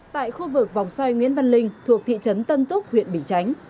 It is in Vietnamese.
tại khu vực vòng xoay nguyễn văn linh thuộc thị trấn tân túc huyện bình chánh